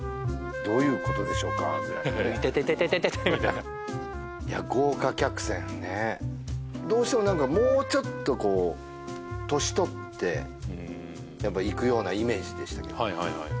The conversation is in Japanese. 「どういうことでしょうか」ぐらいのね「痛い痛い痛い」みたいないや豪華客船ねどうしても何かもうちょっとこう年取ってやっぱ行くようなイメージでしたけどはい